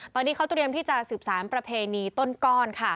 ตอนนี้เขาตรวินที่จะสืบสร้างประเพณีต้นกร